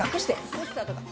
ポスターとか。